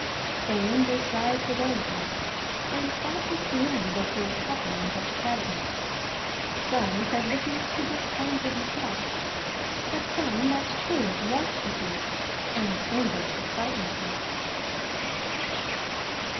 So Ondott rides away again, and that was the end of those happenings at Cragness. Some said the thief could not find what he sought; but some that Thurid was the thief, and Ondott had frighted her.